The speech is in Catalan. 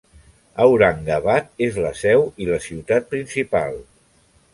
Aurangabad és la seu i la ciutat principal.